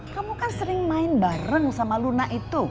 kamu kan sering main bareng sama luna itu